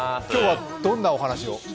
今日はどんなお話を？